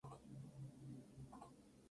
Fue el nombre de moneda más fuerte del imperio.